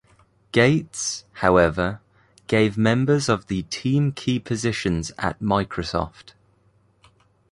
Gates, however, gave members of the team key positions at Microsoft.